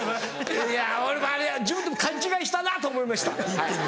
いや俺もあれは自分でも勘違いしたなと思いました。